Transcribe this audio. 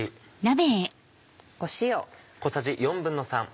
塩。